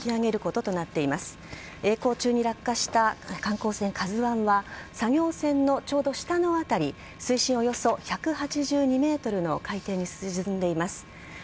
えい航中に落下した観光船「ＫＡＺＵ１」は作業船のちょうど下の辺り水深およそ１８２ｍの海底に沈んでいます。